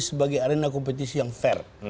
sebagai arena kompetisi yang fair